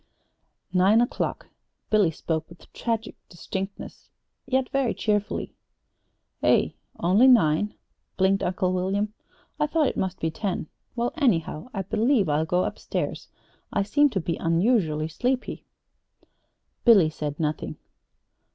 "Nine o'clock." Billy spoke with tragic distinctness, yet very cheerfully. "Eh? Only nine?" blinked Uncle William. "I thought it must be ten. Well, anyhow, I believe I'll go up stairs. I seem to be unusually sleepy." Billy said nothing.